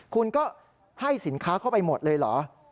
คุณก็ให้สินค้าเข้าไปหมดเลยเหรอ